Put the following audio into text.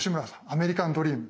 アメリカンドリーム。